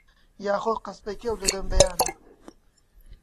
یا خۆ قاسپەی کەو لەدەم بەیانا